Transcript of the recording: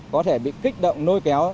có thể bị kích động nôi kéo